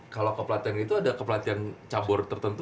kalau kepelatihan itu ada kepelatihan cabur tertentu